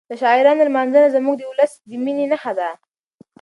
د شاعرانو لمانځنه زموږ د ولس د مینې نښه ده.